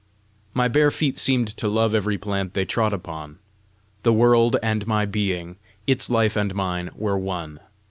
My bare feet seemed to love every plant they trod upon. The world and my being, its life and mine, were one.